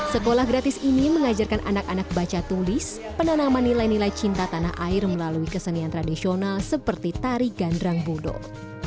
sekolah gratis ini mengajarkan anak anak baca tulis penanaman nilai nilai cinta tanah air melalui kesenian tradisional seperti tari gandrang bodoh